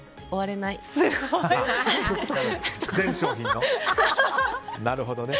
なるほどね。